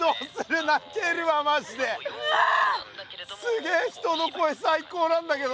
すげえ人の声さいこうなんだけど！